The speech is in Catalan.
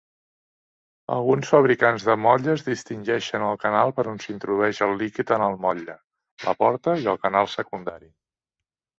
Alguns fabricants de motlles distingeixen el canal per on s'introdueix el líquid en el motlle, la porta i el canal secundari.